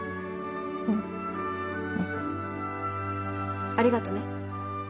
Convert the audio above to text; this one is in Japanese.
うんうんありがとね